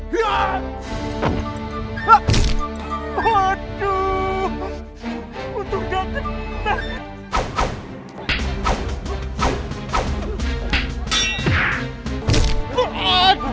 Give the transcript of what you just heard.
waduh betul gak kena